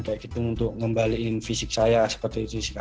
kayak gitu untuk ngembaliin fisik saya seperti itu sih kak